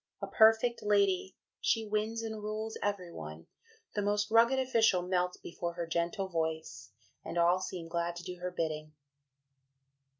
A perfect lady, she wins and rules every one, the most rugged official melts before her gentle voice, and all seem glad to do her bidding.'"